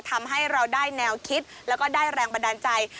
ทำให้เราได้แนวคิดแล้วก็ได้แรงบันดาลใจ